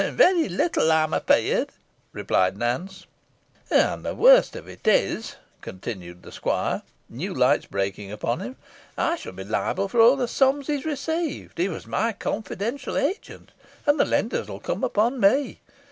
"Varry little, ey'm afear'd," replied Nance. "And the worst of it is," continued the squire new lights breaking upon him, "I shall be liable for all the sums he has received. He was my confidential agent, and the lenders will come upon me.